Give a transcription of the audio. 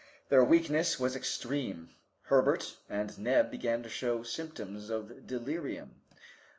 Their weakness was extreme. Herbert and Neb began to show symptoms of delirium.